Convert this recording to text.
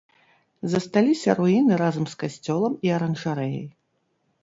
Засталіся руіны разам з касцёлам і аранжарэяй.